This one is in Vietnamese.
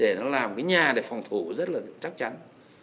để nó làm cái nhà để phòng thủ rất là chắc chắn